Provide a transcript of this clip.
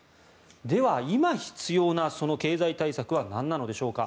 では、今必要な経済対策はなんなのでしょうか。